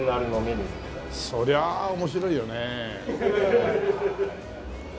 そりゃあ面白いよね。